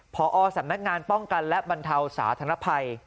พอสำนักงานป้องกันและบรรเทาสาธารณภัย